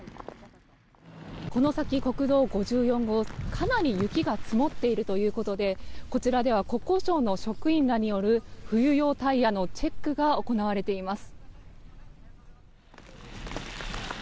この先、国道５４号かなり雪が積もっているということでこちらでは国交省の職員らによる冬用タイヤのチェックが行われています。